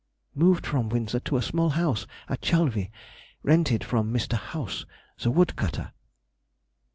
_—Moved from Windsor to a small house at Chalvy, rented from Mr. House, the wood cutter.